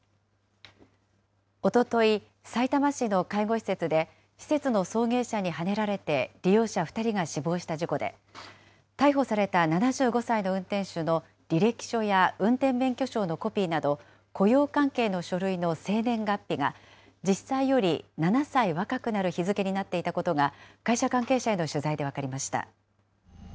おととい、さいたま市の介護施設で、施設の送迎車にはねられて利用者２人が死亡した事故で、逮捕された７５歳の運転手の履歴書や運転免許証のコピーなど雇用関係の書類の生年月日が、実際より７歳若くなる日付になっていたことが会社関係者への取材で分かりました。